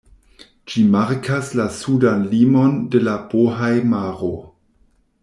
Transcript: Ĝi markas la sudan limon de la Bohaj-maro.